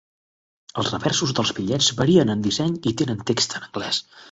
Els reversos dels bitllets varien en disseny i tenen text en anglès.